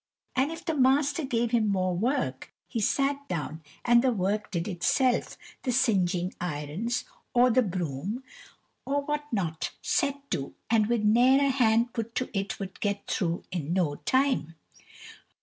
And if the master gave him more work, he sat down, and the work did itself, the singeing irons, or the broom, or what not, set to, and with ne'er a hand put to it would get through in no time.